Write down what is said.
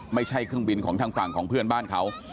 ไม่ใช่เครื่องบินของทางฝั่งของเพื่อนบ้านเขา